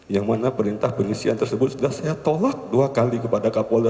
yang mana perintah pengisian tersebut sudah saya tolak dua kali kepada kapolda